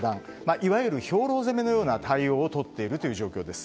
いわゆる兵糧攻めのような対応をとっている状況です。